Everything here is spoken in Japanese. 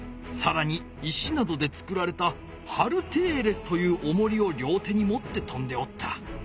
さらに石などで作られたハルテーレスというおもりを両手にもってとんでおった。